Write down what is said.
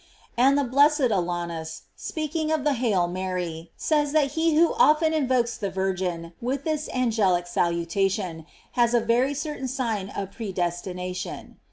* And the blessed Alarms, speaking of the "Hail Mary," says that he who often invokes the Virgin with this angelical salutation, has a very certain sign of predesti nation.!